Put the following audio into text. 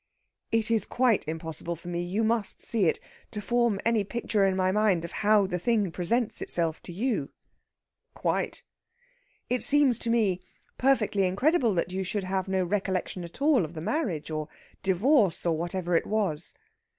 "It is quite impossible for me you must see it to form any picture in my mind of how the thing presents itself to you." "Quite." "It seems to me perfectly incredible that you should have no recollection at all of the marriage, or divorce, or whatever it was...."